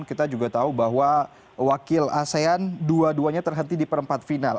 kita juga tahu bahwa wakil asean dua duanya terhenti di perempat final